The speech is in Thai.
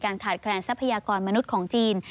ขาดแคลนทรัพยากรมนุษย์ของจีน